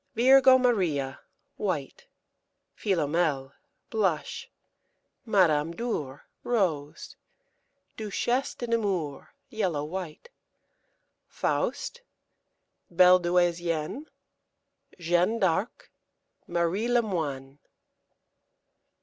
Virgo Maria, white. Philomèle, blush. Madame Dhour, rose. Duchesse de Nemours, yellow white. Faust. Belle Douaisienne. Jeanne d'Arc. Marie Lemoine.